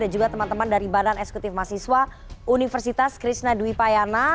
dan juga teman teman dari badan eksekutif mahasiswa universitas krishna dwi payana